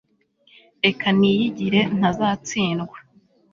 reka niyigire ntazatsindwa